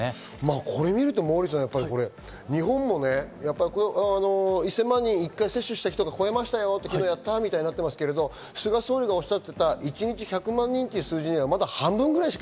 これを見るとモーリーさん、日本も１０００万人、１回接種した人が超えましたよとなっていますけど、菅総理がおっしゃっていた一日１００万人という数字にはまだ半分ぐらい。